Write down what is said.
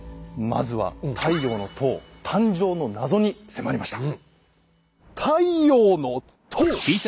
まずは「太陽の塔」誕生の謎に迫りました。